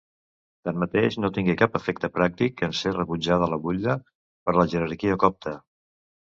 Tanmateix, no tingué cap efecte pràctic en ser rebutjada la butlla per la jerarquia copta.